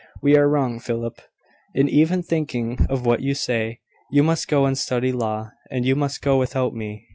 We are wrong, Philip, in even thinking of what you say. You must go and study law, and you must go without me.